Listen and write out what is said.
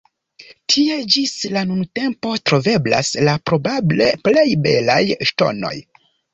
Tie ĝis la nuntempo troveblas la probable plej belaj ŝtonoj.